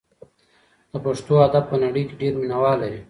د پښتو ادب په نړۍ کې ډېر مینه وال لري.